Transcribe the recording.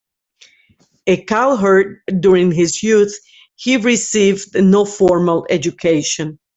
A cowherd during his youth, he received no formal education.